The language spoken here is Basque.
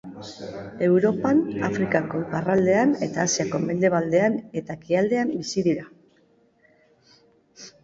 Europan, Afrikako iparraldean eta Asiako mendebaldean eta ekialdean bizi dira.